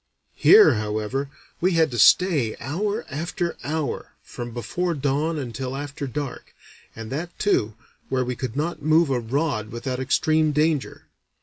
Here, however, we had to stay, hour after hour, from before dawn until after dark, and that, too, where we could not move a rod without extreme danger.